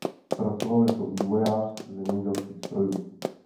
Pracoval jako vývojář zemědělských strojů.